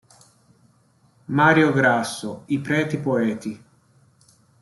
Mario Grasso, "I Preti poeti.